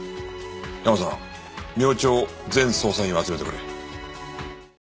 ヤマさん明朝全捜査員を集めてくれ。